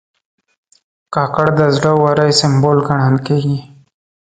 کاکړ د زړه ورۍ سمبول ګڼل کېږي.